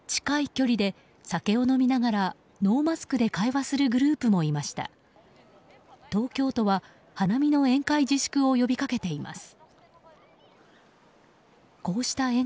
近い距離で酒を飲みながらノーマスクで会話するグループもいました。